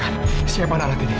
susar siapkan siapkan alat ini cepat